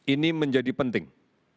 ini menjadi penting